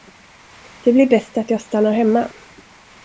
Det blir bäst, att jag stannar hemma.